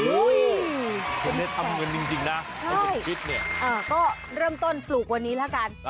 อุ้ยคุณเนธทำเงินจริงนะใช่ก็เริ่มต้นปลูกวันนี้ละกัน